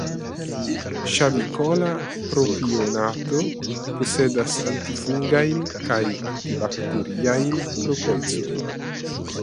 Ŝavikola propionato posedas antifungajn kaj antibakteriajn proprecojn.